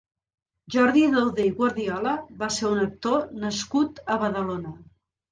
Jordi Dauder i Guardiola va ser un actor nascut a Badalona.